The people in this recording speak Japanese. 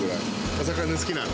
お魚好きなの？